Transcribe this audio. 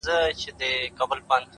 تیاره وریځ ده باد دی باران دی